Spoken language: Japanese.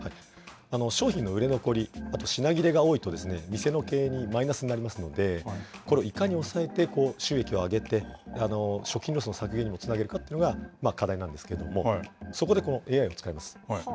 商品の売れ残り、あと品切れが多いとですね、店の経営にマイナスになりますので、これ、いかに抑えて収益を上げて、食品ロスの削減につなげるかも、課題なんですけれども、そこでこのＡＩを使います。